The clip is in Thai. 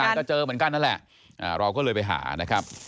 มันก็เจอเหมือนกันนั่นแหละเราก็เลยไปหานะครับ